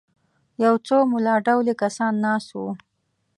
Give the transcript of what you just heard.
یو څو ملا ډولي کسان ناست وو.